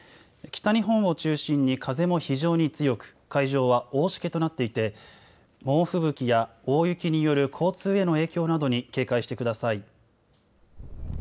北日本を中心に風も非常に強く海上は大しけとなっていて猛吹雪や大雪による交通への影響などに警戒してください。